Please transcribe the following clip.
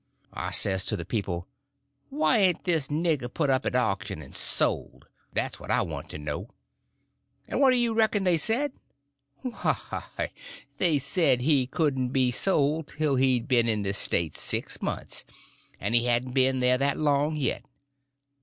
I says to the people, why ain't this nigger put up at auction and sold?—that's what I want to know. And what do you reckon they said? Why, they said he couldn't be sold till he'd been in the State six months, and he hadn't been there that long yet.